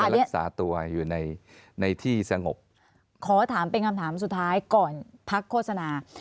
รักษาตัวอยู่ในที่สงบขอถามเป็นคำถามสุดท้ายก่อนพักโฆษณา